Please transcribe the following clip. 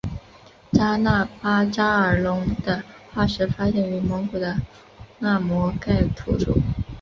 扎纳巴扎尔龙的化石发现于蒙古的纳摩盖吐组。